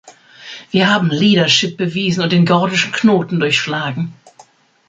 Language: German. Wir haben Leadership bewiesen und den gordischen Knoten durchschlagen.